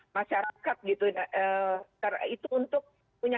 masyarakat gitu itu untuk punya